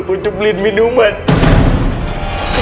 iya benar jep